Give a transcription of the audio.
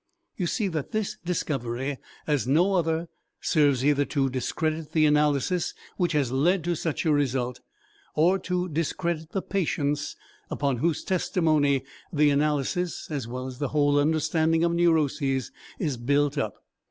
You see that this discovery, as no other, serves either to discredit the analysis which has led to such a result, or to discredit the patients upon whose testimony the analysis, as well as the whole understanding of neuroses, is built up.